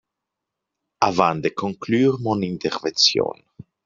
Avant de conclure mon intervention